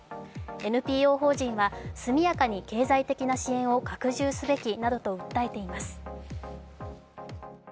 ＮＰＯ法人は、速やかに経済的な支援を拡充すべきなどと訴えています。